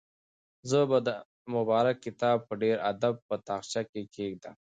زه به دا مبارک کتاب په ډېر ادب په تاقچه کې کېږدم.